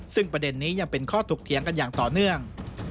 ซึ่งประเด็นนี้ยังเป็นข้อถกเถียงกันอย่างต่อเนื่อง